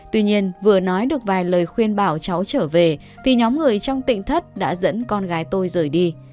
tuy nhiên vừa nói được vài lời khuyên bảo cháu trở về thì nhóm người trong tỉnh thất đã dẫn con gái tôi rời đi